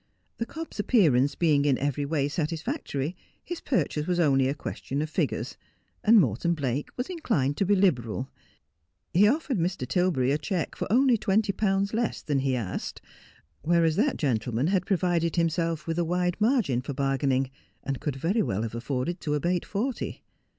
The cob's appearance being in every way satisfactory, his purchase was only a question of figures, and Morton Blake was inclined to be liberal. He offered Mr. Tilberry a cheque for only twenty pounds less than he asked ; whereas that gentleman had provided himself with a wide margin for bargaining, and could very well have afforded to abate forty.